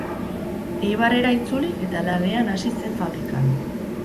Eibarrera itzuli eta lanean hasi zen fabrikan.